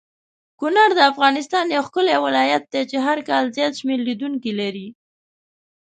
کونړ دافغانستان یو ښکلی ولایت دی چی هرکال زیات شمیر لیدونکې لری